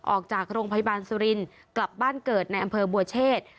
ออกจากโรงพยาบาลสุรินทร์กลับบ้านเกิดในอำเภอบัวเชษ